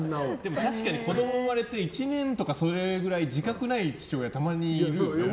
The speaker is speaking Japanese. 確かに子供産まれて１年とかそれくらいは自覚ない父親たまにいるよね。